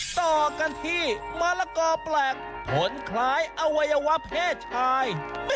ต่อกันที่มะละกอแปลกผลคล้ายอวัยวะเพศชาย